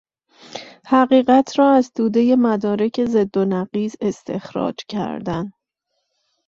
حقیقت را از تودهی مدارک ضد و نقیض استخراج کردن